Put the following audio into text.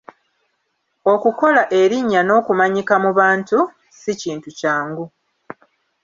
Okukola erinnya n’okumanyika mu bantu, ssi kintu kyangu.